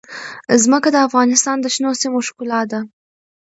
ځمکه د افغانستان د شنو سیمو ښکلا ده.